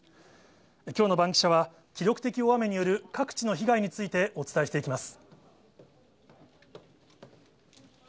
きょうのバンキシャは、記録的大雨による各地の被害について、お伝えしていきます。